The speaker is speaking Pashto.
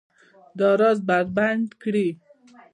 دا راز بربنډ کړي